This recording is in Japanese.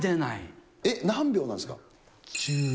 えっ？何秒なんですか？